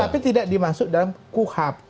tapi tidak dimasuk dalam kuhap